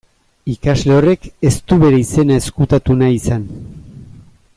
Ikasle horrek ez du bere izena ezkutatu nahi izan.